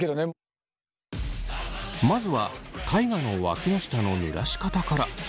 まずは大我のわきの下のぬらし方から。